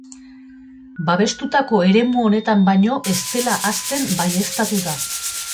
Babestutako eremu honetan baino ez dela hazten baieztatu da.